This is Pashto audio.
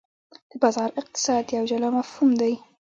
د بازار اقتصاد یو جلا مفهوم دی.